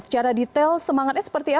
secara detail semangatnya seperti apa